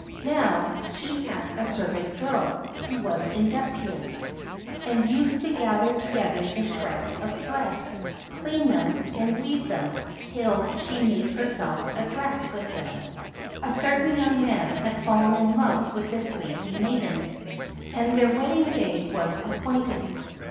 Now she had a servant girl, who was industrious, and used to gather together the shreds of thread, clean them, and weave them, till she made herself a dress with them. A certain young man had fallen in love with this lazy maiden; and their wedding day was appointed.